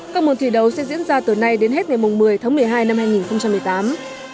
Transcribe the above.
các môn thi đấu sẽ diễn ra từ nay đến hết ngày một mươi tháng một mươi hai năm hai nghìn một mươi tám